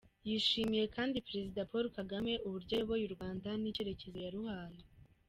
Yashimiye kandi Perezida Paul Kagame uburyo ayoboye u Rwanda n’icyerekezo yaruhaye.